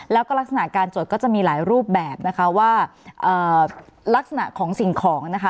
แล้วก็ลักษณะการจดก็จะมีหลายรูปแบบนะคะว่าลักษณะของสิ่งของนะคะ